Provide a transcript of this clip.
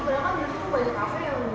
karena kan dulu banyak kafe yang berubah